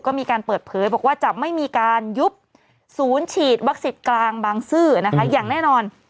ก็มีการเปิดเผยบอกว่าจะไม่มีการยุบศูนย์ฉีดวัคซีนกลางบางซื่อนะคะอย่างแน่นอน